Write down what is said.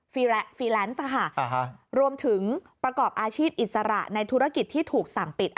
ฟรีแลนซ์รวมถึงประกอบอาชีพอิสระในธุรกิจที่ถูกสั่งปิด